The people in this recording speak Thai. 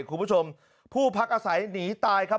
คุณผู้ชมผู้พักอาศัยหนีตายครับ